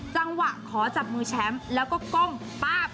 จังหวะขอจับมือแชมป์แล้วก็ก้มป๊าบ